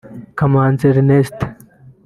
Kamanzi Ernest